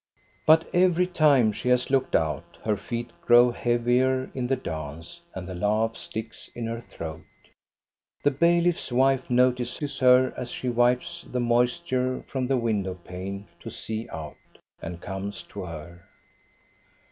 But every time she has looked out her feet grow heavier in the dance, and the laugh sticks in her throat. The bailiffs wife notices her as she wipes the moisture from the window pane to see out, and comes to her.